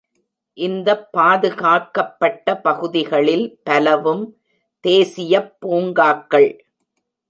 இந்தப் பாதுகாக்கப்பட்ட பகுதிகளில் பலவும் தேசியப் பூங்காக்கள்.